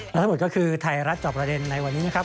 และทั้งหมดก็คือไทยรัฐจอบประเด็นในวันนี้นะครับ